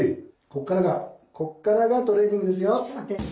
こっからがこっからがトレーニングですよ。